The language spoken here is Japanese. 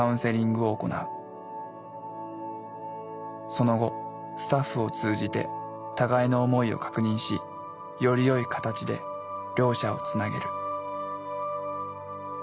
その後スタッフを通じて互いの思いを確認しよりよい形で両者をつなげる。